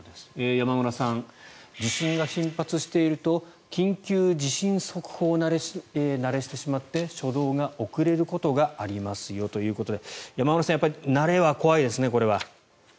山村さん、地震が頻発していると緊急地震速報慣れしてしまって初動が遅れることがありますよということで山村さん、慣れは怖いですね。